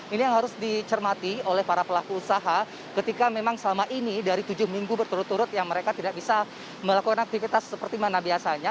ini yang harus dicermati oleh para pelaku usaha ketika memang selama ini dari tujuh minggu berturut turut yang mereka tidak bisa melakukan aktivitas seperti mana biasanya